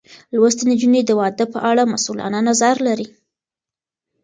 لوستې نجونې د واده په اړه مسؤلانه نظر لري.